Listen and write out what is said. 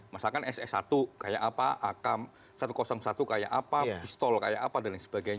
masakan ss satu kayak apa akan satu ratus satu kayak apa pistol kayak apa dan lain sebagainya